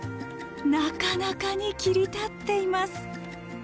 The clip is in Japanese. なかなかに切り立っています。